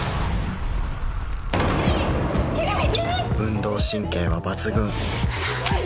運動神経は抜群